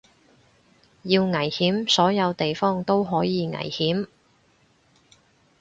要危險所有地方都可以危險